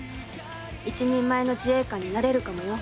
一人前の自衛官になれるかもよ。